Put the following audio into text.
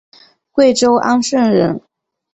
贵州安顺人。